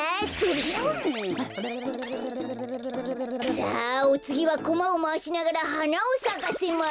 さあおつぎはコマをまわしながらはなをさかせます。